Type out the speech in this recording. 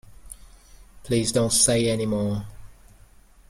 Please don't say any more.